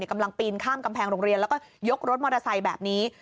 กำลังปีนข้ามกำแพงโรงเรียนแล้วก็ยกรถมอเตอร์ไซค์แบบนี้